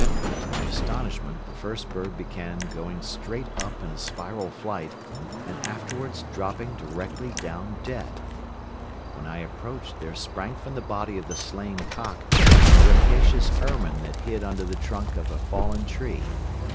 To my astonishment the first bird began going straight up in a spiral flight and afterwards dropped directly down dead. When I approached there sprang from the body of the slain cock a rapacious ermine that hid under the trunk of a fallen tree.